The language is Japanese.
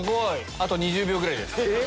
あと２０秒ぐらいです。